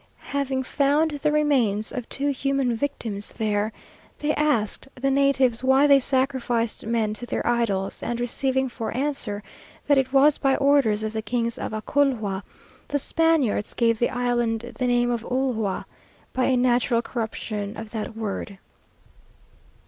Having found the remains of two human victims there, they asked the natives why they sacrificed men to their idols, and receiving for answer that it was by orders of the kings of Acolhua, the Spaniards gave the island the name of Ulua, by a natural corruption of that word.